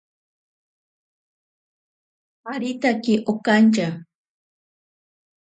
Aritake okantya.